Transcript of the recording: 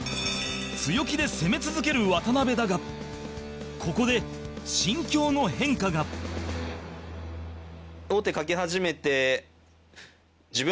強気で攻め続ける渡辺だがここで心境の変化が高橋：すごいな！